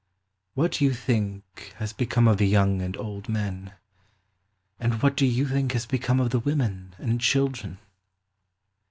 What do you think has become of the young and old men? And what do you think has become of the women and children